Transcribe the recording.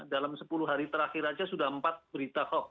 dalam sepuluh hari terakhir saja sudah empat berita hoax